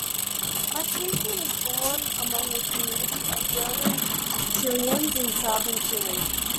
Matthei was born among a community of German Chileans in Southern Chile.